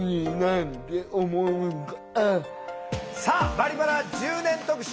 「バリバラ」１０年特集